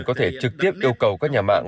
có thể trực tiếp yêu cầu các nhà mạng